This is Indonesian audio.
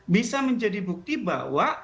bisa menjadi bukti bahwa